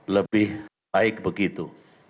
lebih baik begitu